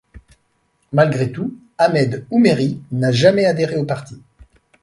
Malgré tout, Ahmed Oumeri n’a jamais adhéré au parti.